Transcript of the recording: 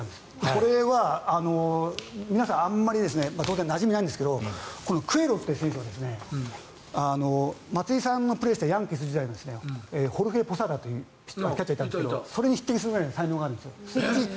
これは皆さんあまりなじみないですがクエロって選手は松井さんのプレーしたヤンキース時代のホルヘというキャッチャーがいたんですがそれに匹敵するくらいの才能があるんです。